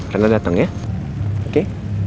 rena dateng ya oke